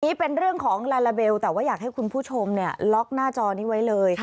เป็นเรื่องของลาลาเบลแต่ว่าอยากให้คุณผู้ชมเนี่ยล็อกหน้าจอนี้ไว้เลย